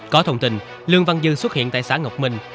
có thông tin lương văn dư xuất hiện tại xã ngọc minh